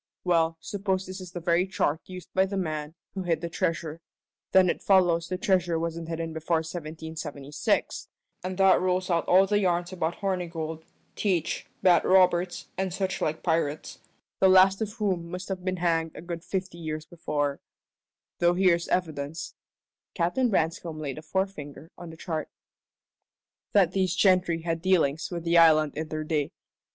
We'll suppose this is the very chart used by the man who hid the treasure. Then it follows the treasure wasn't hidden before 1776, and that rules out all the yarns about Hornigold, Teach, Bat Roberts, and suchlike pirates, the last of whom must have been hanged a good fifty years before: though here's evidence" Captain Branscome laid a forefinger on the chart "that these gentry had dealings with the island in their day.